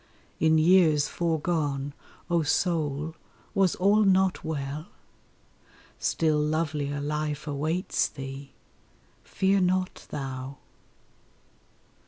In years foregone, O Soul, was all not well? Still lovelier life awaits thee. Fear not thou!